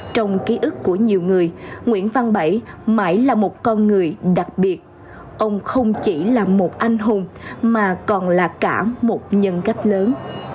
trong ký ức của nhiều người nguyễn văn bảy mãi là một con người đặc biệt ông không chỉ là một anh hùng mà còn là cả một nhân cách lớn